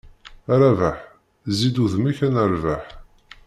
A Rabaḥ! Zzi-d udem-k ad nerbeḥ.